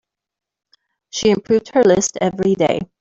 She improved her list every day.